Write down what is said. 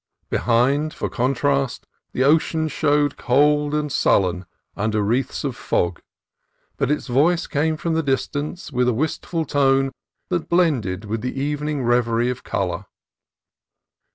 Behind, for contrast, the ocean showed cold and sullen under gray wreaths of fog, but its voice came from the distance with a wistful tone that blended with the evening reverie of color.